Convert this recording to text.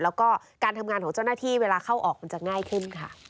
แล้วก็การทำงานของเจ้าหน้าที่เวลาเข้าออกมันจะง่ายขึ้นค่ะ